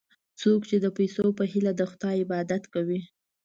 څوک چې د پیسو په هیله د خدای عبادت کوي.